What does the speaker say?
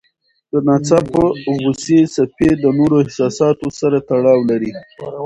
د ناڅاپه غوسې څپې د نورو احساساتو سره تړاو لري.